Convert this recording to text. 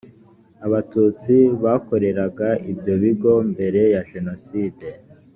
abatutsi bakoreraga ibyo bigo mbere ya jenoside